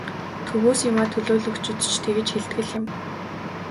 Төвөөс яваа төлөөлөгчид ч тэгж хэлдэг л юм.